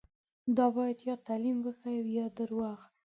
دا باید یا تعلیم وښيي او یا درواغ.